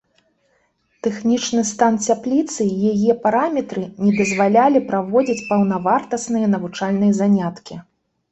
Тэхнічны стан цяпліцы і яе параметры не дазвалялі праводзіць паўнавартасныя навучальныя заняткі.